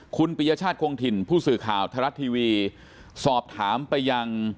คุณปิยชาติคงถิ่นผู้สื่อข่าวไทยรัฐทีวีสอบถามไปยัง